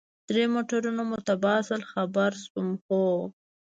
درې موټرونه مو تباه شول، خبر شوم، هو.